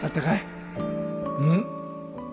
うん？